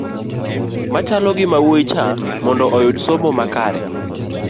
machalo gi mawuoyi cha mondo oyud somo makare